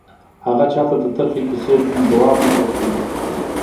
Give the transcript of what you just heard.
هغه چا ته د ترخې کیسې ځواب نه ورکوي